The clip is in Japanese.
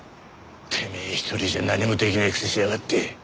てめえ一人じゃ何もできないくせしやがって。